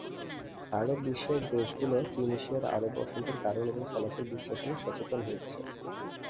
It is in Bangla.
আরব বিশ্বের দেশগুলো তিউনিসিয়ার আরব বসন্তের কারণ ও ফলাফল বিশ্লেষণে সচেতন হয়েছে।